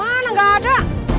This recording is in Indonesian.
mana gak ada